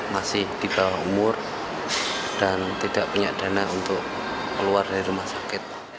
masih di bawah umur dan tidak punya dana untuk keluar dari rumah sakit